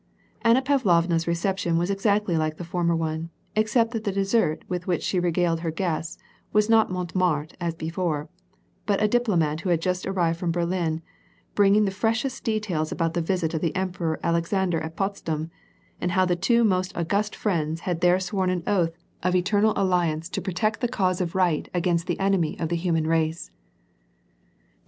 Anna Pavlovna's reception was exactly like the former one, except that the dessert with which she regaled her guests was not Montemart as before, but a diplomat who had just arrived from Berlin, bringing the freshest details about the visit of the Emporor Alexander at Potsdam, and how the two most august friends had there sworn an oath of eternal alliance to • Vou$ troitnrvz rhfz moi la belle Helene qu* on ne se la9$e jamais de voir.